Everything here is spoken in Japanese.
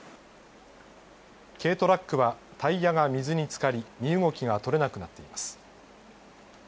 軽トラックはタイヤが水につかり身動きが取れなくなっています。